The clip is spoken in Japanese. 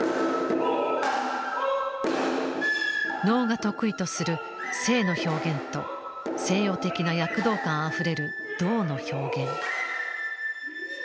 能が得意とする「静」の表現と西洋的な躍動感あふれる「動」の表現。